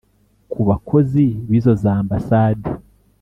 ku bakozi b'izo za ambasade